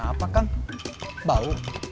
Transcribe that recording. kenapa kang bau